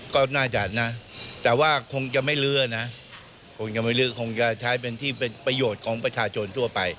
ก็น่าจะนะแต่ว่าคงจะไม่เรือนะคงจะใช้เป็นที่ประโยชน์ของประชาชนทั่วไป